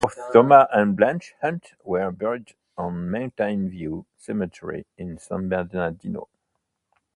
Both Thomas and Blanche Hunt were buried at Mountain View Cemetery in San Bernardino.